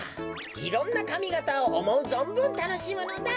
いろんなかみがたをおもうぞんぶんたのしむのだ。